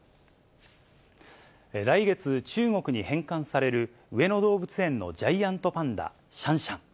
来月、中国に返還される上野動物園のジャイアントパンダ、シャンシャン。